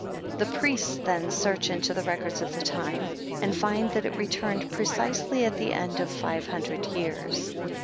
5 The priests then search into the records of the time: and find that it returned precisely at the end of five hundred years.